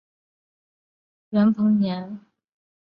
袁彭年为袁宏道之子。